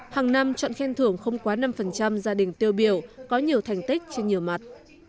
hàng năm chọn khen thưởng không quá năm gia đình tiêu biểu có nhiều thành tích trên nhiều mặt